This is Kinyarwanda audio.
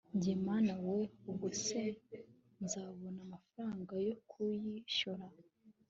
Njye Mana weee ubwo se nzabona amafaranga yo kuyishyura